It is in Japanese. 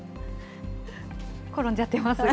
転んじゃってますが。